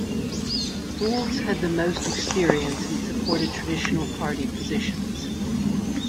Foulds had the most experience and supported traditional party positions.